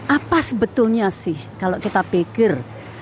apa sebetulnya sih kalau kita pikir